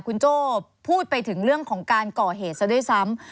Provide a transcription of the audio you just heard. คุณโจ้พูดไปถึงเรื่องของการก่อเหตุซะด้วยซ้ำ